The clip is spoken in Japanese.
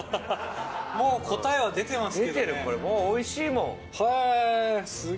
もう答えは出てますけどね。